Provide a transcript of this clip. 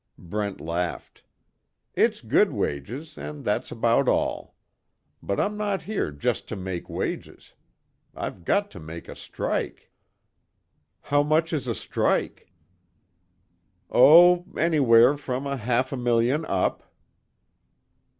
Brent laughed: "It's good wages, and that's about all. But I'm not here just to make wages. I've got to make a strike." "How much is a strike?" "Oh, anywhere from a half a million up."